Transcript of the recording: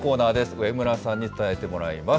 上村さんに伝えてもらいます。